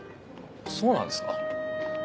そうなんですか？